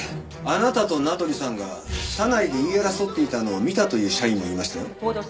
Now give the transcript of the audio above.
あなたと名取さんが社内で言い争っていたのを見たという社員もいましたよ。